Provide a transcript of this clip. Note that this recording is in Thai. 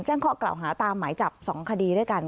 ข้อกล่าวหาตามหมายจับ๒คดีด้วยกัน